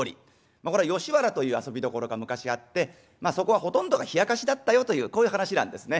これは吉原という遊びどころが昔あってそこはほとんどがひやかしだったよというこういう噺なんですね。